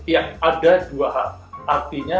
yang ada dua hal artinya